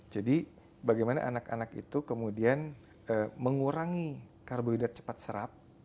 jadi bagaimana anak anak itu kemudian mengurangi karbohidrat cepat serap